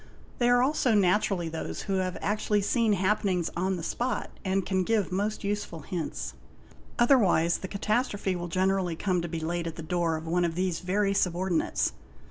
They are also naturally those who have actually seen happenings on the spot and can give most useful hints. Otherwise the catastrophe will generally come to be laid at the door of one of these very sub ordinates.